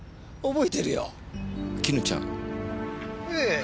ええ。